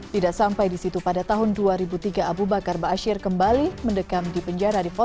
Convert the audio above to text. tidak sampai di situ pada tahun dua ribu tiga abu bakar ⁇ asyir ⁇ kembali mendekam di penjara